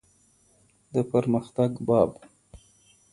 د پرمختګ باب.